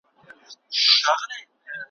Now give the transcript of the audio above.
وایی تم سه خاطرې دي راته وایی `